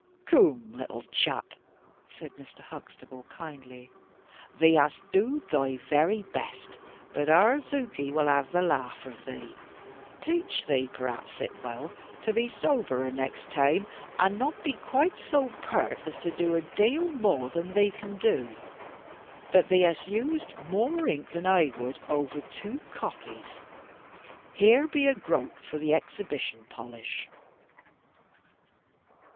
"Coom, little chap," said Mr. Huxtable, kindly, "thee hast dooed thy very best, but our Zuke will have the laugh of thee. Tache thee perhaps it wull to be zoberer next taime, and not be quite so peart to do a dale more nor thee can do. But thee hast used more ink than ai wud over two copies. Here be a groat for the Exhibition polish."